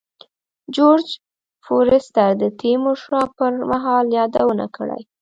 جورج فورستر د تیمور شاه پر مهال یادونه کړې.